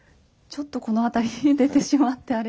ちょっとこの辺りに出てしまって。